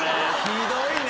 ひどいね。